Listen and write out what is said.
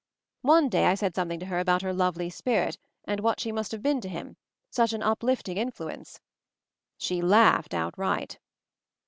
One day I said something to her about her lovely spirit, and what she must have been to him — such an uplifting influ ence. She laughed outright.